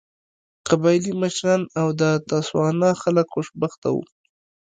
قبایلي مشران او د تسوانا خلک خوشبخته وو.